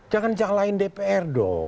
jangan jalain dpr dong